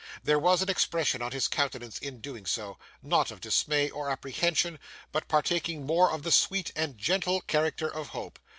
There was an expression on his countenance in doing so not of dismay or apprehension, but partaking more of the sweet and gentle character of hope.